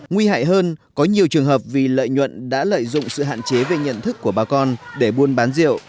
nguy hại hơn có nhiều trường hợp vì lợi nhuận đã lợi dụng sự hạn chế về nhận thức của bà con để buôn bán rượu